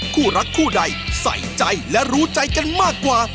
คู่รักคู่ใดใส่ใจและรู้ใจกันมากกว่า